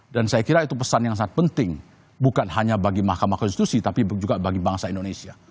saya kira itu pesan yang sangat penting bukan hanya bagi mahkamah konstitusi tapi juga bagi bangsa indonesia